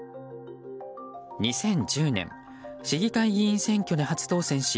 ２０１０年市議会議員選挙で初当選し